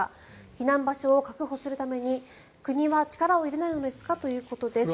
避難場所を確保するために国は力を入れないのですか？ということです。